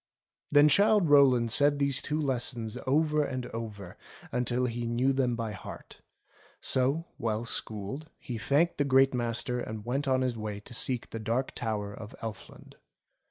Then Childe Rowland said these two lessons over and over until he knew them by heart ; so, well schooled, he thanked the Great Master and went on his way to seek the Dark Tower of Elfland.